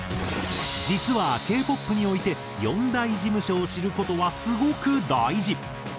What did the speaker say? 実はＫ−ＰＯＰにおいて４大事務所を知る事はすごく大事。